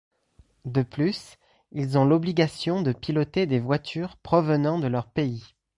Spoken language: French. De plus, ils ont l'obligation de piloter des voitures provenant de leur pays.